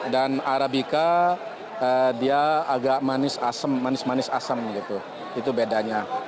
arabica dia agak manis asem manis manis asem gitu itu bedanya